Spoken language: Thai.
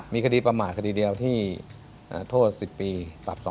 มีคดีประมาทคดีเดียวที่โทษ๑๐ปีปรับ๒๐๐